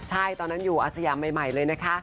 ใช่ตอนนั้นอยู่อาสยามใหม่เลยนะคะ